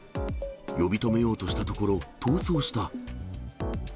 呼び止めようとしたところ、逃走した。